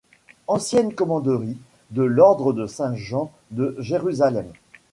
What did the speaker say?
Ancienne commanderie de l'Ordre de Saint-Jean de Jérusalem.